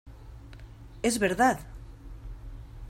¡ es verdad!